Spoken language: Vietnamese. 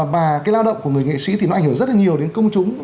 và cái lao động của người nghệ sĩ thì nó ảnh hưởng rất là nhiều đến công chúng